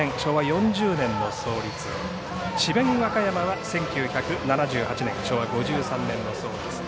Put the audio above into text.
和歌山は１９７８年昭和５３年の創立。